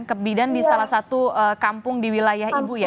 kebidan di salah satu kampung di wilayah ibu ya